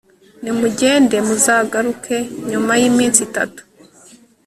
nimugende muzagaruke nyuma y iminsi itatu